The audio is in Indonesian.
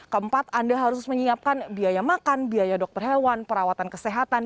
keempat anda harus menyiapkan biaya makan biaya dokter hewan perawatan kesehatan